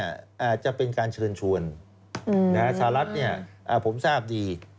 อย่างนี้ครับสหรัฐเนี่ยจะเป็นการเชิญชวนนะฮะสหรัฐเนี่ยผมทราบดี